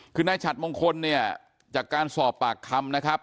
คือนายฉัดมงคลเนี่ยจากการสอบปากคำนะครับ